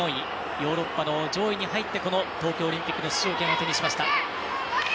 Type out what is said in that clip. ヨーロッパの上位に入って東京オリンピックの出場権を手にしました。